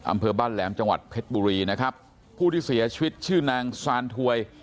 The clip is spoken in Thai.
อำเภอบ้านแหลมจังหวัดเพชรบุรีนะครับผู้ที่เสียชีวิตชื่อนางซานถวย